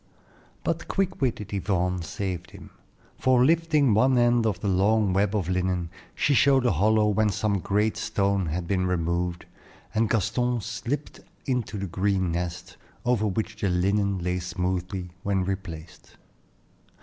But quick witted Yvonne saved him; for lifting one end of the long web of linen, she showed a hollow whence some great stone had been removed, and Gaston slipped into the green nest, over which the linen lay smoothly when replaced.